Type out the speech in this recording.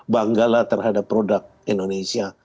bangga lah terhadap produk indonesia